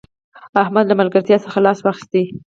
احمد له ملګرتیا څخه لاس واخيست